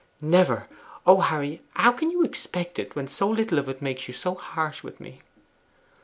'Never. O Harry! how can you expect it when so little of it makes you so harsh with me?